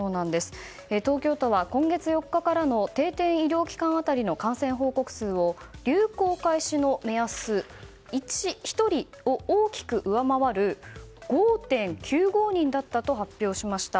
東京都は今月４日からの定点医療機関当たりの感染報告数を流行開始の目安１人を大きく上回る５．９５人だったと発表しました。